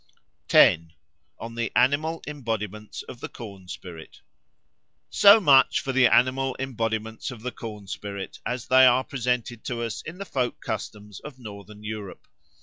10. On the Animal Embodiments of the Corn spirit SO much for the animal embodiments of the corn spirit as they are presented to us in the folk customs of Northern Europe.